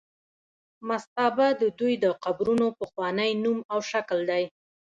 مستابه د دوی د قبرونو پخوانی نوم او شکل دی.